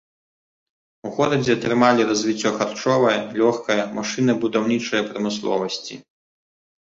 У горадзе атрымалі развіццё харчовая, лёгкая, машынабудаўнічая прамысловасці.